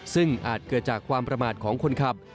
ซึ่งอาจเกิดจากความประมาทของคนขับ